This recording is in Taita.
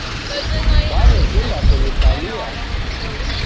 Kwawekunda kunikalia